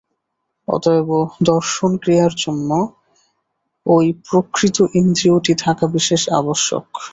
অতএব দর্শনক্রিয়ার জন্য ঐ প্রকৃত ইন্দ্রিয়টি থাকা বিশেষ আবশ্যক।